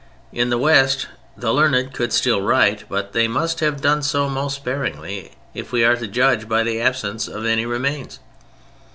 In the West the learned could still write, but they must have done so most sparingly, if we are to judge by the absence of any remains.